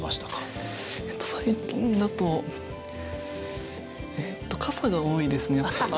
藤井：最近だと傘が多いですね、やっぱり。